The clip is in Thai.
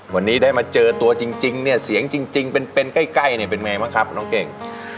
วันนี้ได้มาเจอตัวจริงเนี่ยเสียงจริงเป็นใกล้เนี่ยเป็นไงบ้างครับน้องเก่ง